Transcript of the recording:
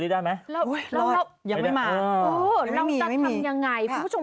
ได้ไหมแล้วเรายังไม่มาเออเราจะทำยังไงคุณผู้ชม